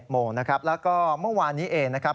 โมงนะครับแล้วก็เมื่อวานนี้เองนะครับ